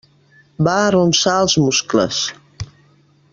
Va arronsar els muscles.